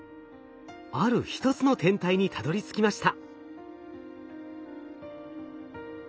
ある１つの天体にたどりつきました。